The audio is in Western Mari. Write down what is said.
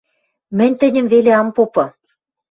Мӹнь тӹньӹм веле ам попы.